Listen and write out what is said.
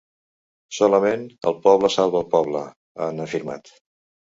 Solament el poble salva el poble, han afirmat.